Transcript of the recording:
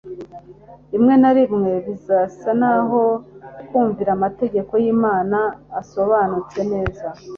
Rimwe na rimwe bizasa naho kumvira amategeko y'Imana asobanutse neza